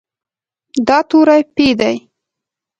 دا توری "پ" دی.